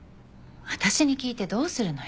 私に聞いてどうするのよ。